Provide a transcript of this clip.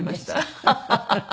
ハハハハ！